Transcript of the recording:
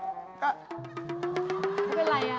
มันเป็นอะไร